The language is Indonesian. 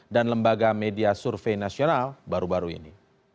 dan lembaga media survei nasional baru baru ini